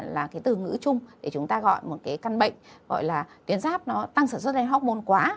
là cái từ ngữ chung để chúng ta gọi một cái căn bệnh gọi là tuyến giáp nó tăng sản xuất hay hocmon quá